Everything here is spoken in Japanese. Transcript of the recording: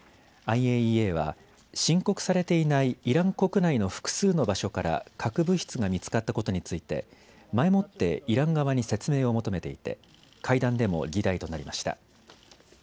ＩＡＥＡは申告されていないイラン国内の複数の場所から核物質が見つかったことについて前もってイラン側に説明を求めていて会談でも議題となりました。